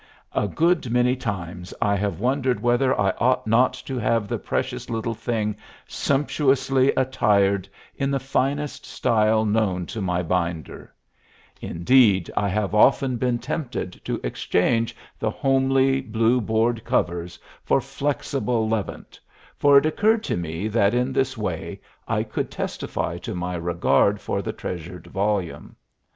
A good many times I have wondered whether I ought not to have the precious little thing sumptuously attired in the finest style known to my binder; indeed, I have often been tempted to exchange the homely blue board covers for flexible levant, for it occurred to me that in this way I could testify to my regard for the treasured volume.